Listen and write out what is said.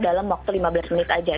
dalam waktu lima belas menit aja